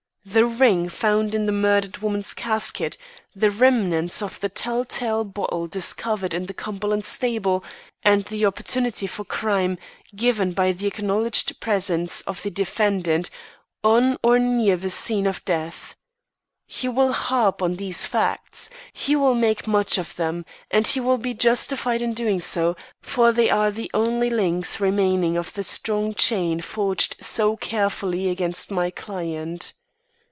The ring found in the murdered woman's casket, the remnants of the tell tale bottle discovered in the Cumberland stable, and the opportunity for crime given by the acknowledged presence of the defendant on or near the scene of death. He will harp on these facts; he will make much of them; and he will be justified in doing so, for they are the only links remaining of the strong chain forged so carefully against my client.